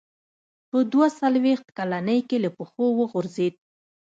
په دوه څلوېښت کلنۍ کې له پښو وغورځېد.